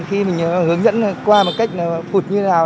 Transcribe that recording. khi mình hướng dẫn qua một cách phụt như thế nào